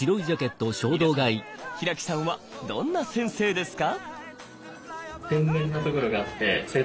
皆さん平木さんはどんな先生ですか？